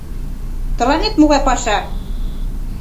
Тыланет могай паша!